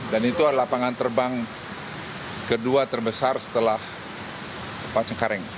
dan itu adalah lapangan terbang kedua terbesar setelah pak cengkareng